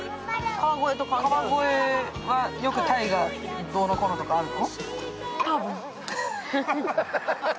川越はよく鯛がどうのこうのとかあるの？